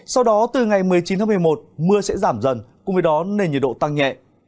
sau đó từ ngày một mươi chín tháng một mươi một mưa sẽ giảm dần cùng với đó nền nhiệt độ tăng nhẹ